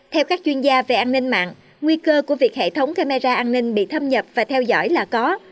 theo các chuyên gia về an ninh mạng nguy cơ của việc hệ thống camera an ninh bị thâm nhập và theo dõi là có